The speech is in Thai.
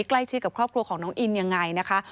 ใกล้ชิดกับครอบครัวของน้องอินยังไงนะคะ